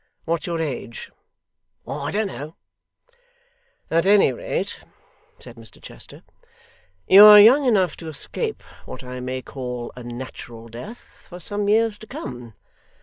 What's your age?' 'I don't know.' 'At any rate,' said Mr Chester, 'you are young enough to escape what I may call a natural death for some years to come.